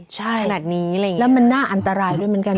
ใช่ขนาดนี้อะไรอย่างนี้แล้วมันน่าอันตรายด้วยเหมือนกัน